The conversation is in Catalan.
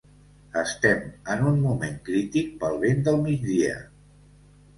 Estem en un moment crític pel vent del migdia.